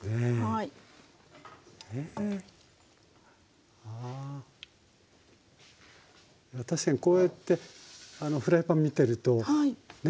いや確かにこうやってフライパン見てるとね。